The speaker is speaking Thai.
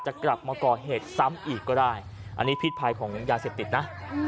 จะกลับมาก่อเหตุซ้ำอีกก็ได้อันนี้พิษภัยของยาเสพติดนะ